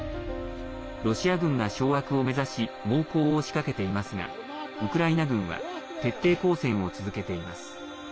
ロシア軍が掌握を目指し猛攻を仕掛けていますがウクライナ軍は徹底抗戦を続けています。